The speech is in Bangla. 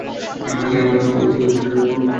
তিনি হয়ে ওঠেন হিন্দু পুনর্জাগরণের কেন্দ্রীয় চরিত্র।